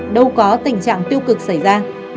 đâu có tình trạng tiêu cực xảy ra